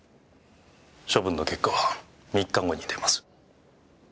処分の結果は３日後に出ます。